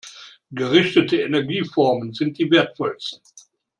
Gerichtete Energieformen sind die wertvollsten.